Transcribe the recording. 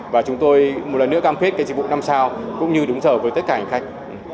và chúng tôi một lần nữa cam khuyết cái dịch vụ năm sao cũng như đúng sở với tất cả những khách